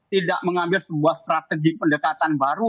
tidak mengambil sebuah strategi pendekatan baru